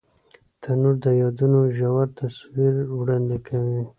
تنور د یادونو ژور تصویر وړاندې کوي